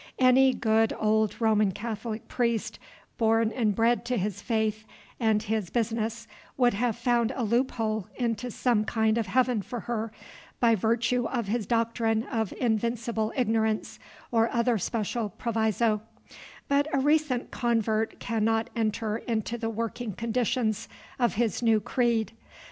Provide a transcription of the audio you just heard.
Any good old Roman Catholic priest, born and bred to his faith and his business, would have found a loophole into some kind of heaven for her, by virtue of his doctrine of "invincible ignorance," or other special proviso; but a recent convert cannot enter into the working conditions of his new creed.